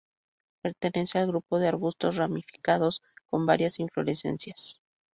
Pertenece al grupo de arbustos ramificados con varias inflorescencias.